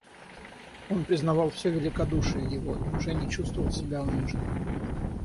Он признавал всё великодушие его и уже не чувствовал себя униженным.